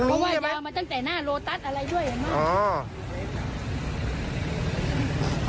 เอามาตั้งแต่หน้าโลตัสอะไรด้วยเห็นไหม